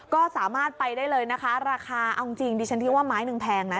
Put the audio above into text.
ก็สามารถไปได้เลยนะคะราคาเอาจริงดิฉันคิดว่าไม้หนึ่งแพงนะ